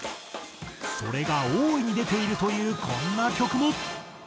それが大いに出ているというこんな曲も。